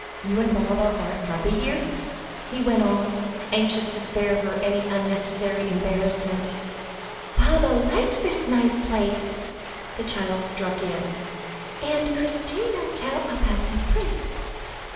You and Baba are happy here?" he went on, anxious to spare her any unnecessary embarrassment. "Baba likes this nice place," the child struck in, "and Christina tell about the prince.